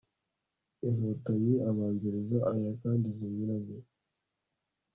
INKOTANYI abanziriza aya kandi zinyuranye